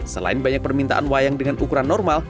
selain banyak permintaan wayang dengan ukuran normal